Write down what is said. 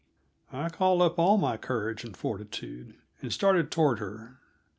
I called up all my courage and fortitude, and started toward her.